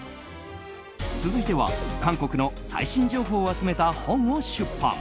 続いては韓国の最新情報を集めた本を出版。